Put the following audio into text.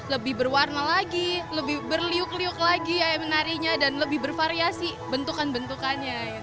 lebih berwarna lagi lebih berliuk liuk lagi menarinya dan lebih bervariasi bentukan bentukannya